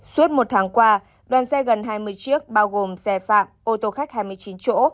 suốt một tháng qua đoàn xe gần hai mươi chiếc bao gồm xe phạm ô tô khách hai mươi chín chỗ